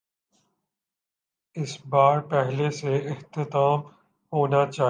اس بار پہلے سے اہتمام ہونا چاہیے۔